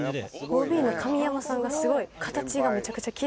ＯＢの神山さんがすごい。